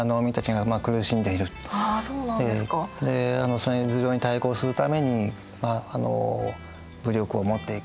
そんな受領に対抗するために武力を持っていく。